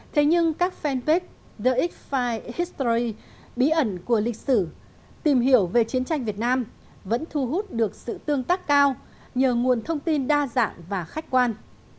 thế nhưng các fanpage dx file history bí ẩn của lịch sử tìm hiểu về chiến tranh việt nam vẫn thu hút được sự tương tác cao nhờ nguồn thông tin đa dạng và khách quan